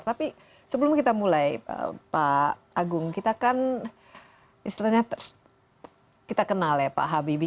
tapi sebelum kita mulai pak agung kita kan istilahnya kita kenal ya pak habibie